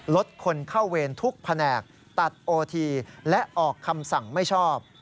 ลดคนเข้าเวรทุกแผนกตัดโอทีและออกคำสั่งไม่ชอบ